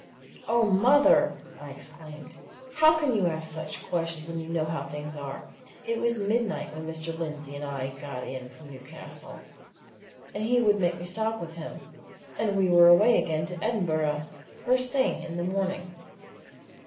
"Oh, mother!" I exclaimed. "How can you ask such questions when you know how things are! it was midnight when Mr. Lindsey and I got in from Newcastle, and he would make me stop with him and we were away again to Edinburgh first thing in the morning."